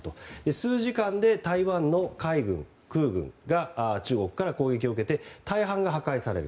数時間で台湾の海軍、空軍が中国から攻撃を受けて大半が破壊される。